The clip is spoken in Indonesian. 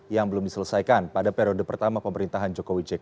yang belum diselesaikan pada periode pertama pemerintahan jokowi jk